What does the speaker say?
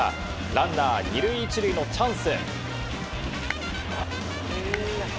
ランナー２塁１塁のチャンス。